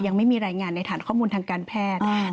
ยังไม่มีรายงานในฐานข้อมูลทางการแพทย์